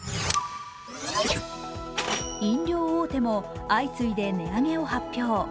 飲料大手も相次いで値上げを発表。